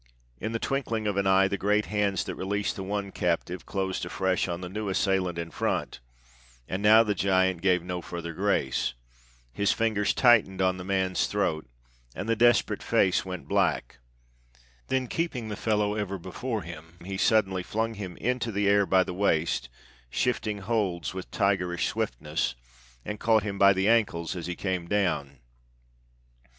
In a twinkling of an eye, the great hands that released the one captive closed afresh on the new assailant in front, and now the giant gave no further grace. His fingers tightened on the man's throat and the desperate face went black. Then, keeping the fellow ever before him, he suddenly flung him into the air by the waist, shifting holds with tigerish swiftness, and caught him by the ankles as he came down.